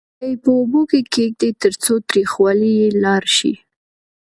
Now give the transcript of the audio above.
بیا یې په اوبو کې کېږدئ ترڅو تریخوالی یې لاړ شي.